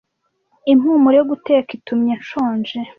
Impumuro yo guteka itumye nshonje.